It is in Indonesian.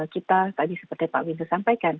kita tadi seperti pak windu sampaikan